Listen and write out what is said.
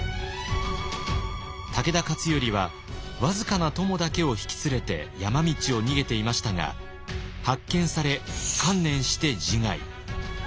武田勝頼は僅かな供だけを引き連れて山道を逃げていましたが発見され観念して自害。